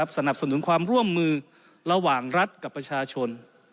สนับสนุนความร่วมมือระหว่างรัฐกับประชาชน